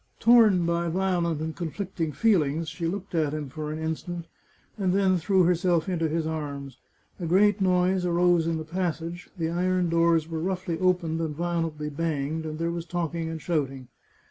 Torn by violent and conflicting feelings, she looked at him for an instant, and then threw herself into his arms. A great noise arose in the passage, the iron doors were roughly 470 The Chartreuse of Parma opened and violently banged, and there was talking and shouting.